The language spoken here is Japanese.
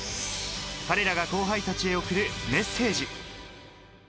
彼らが後輩たちへ送るメッセージ。